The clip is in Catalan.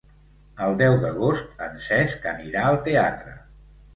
El deu d'agost en Cesc anirà al teatre.